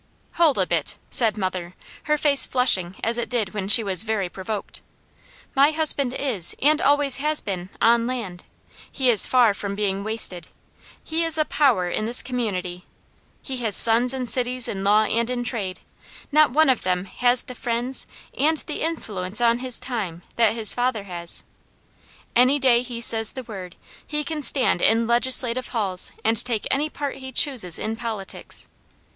"Hold a bit!" said mother, her face flushing as it did when she was very provoked. "My husband is, and always has been, on land. He is far from being wasted. He is a power in this community. He has sons in cities in law and in trade. Not one of them has the friends, and the influence on his time, that his father has. Any day he says the word, he can stand in legislative halls, and take any part he chooses in politics.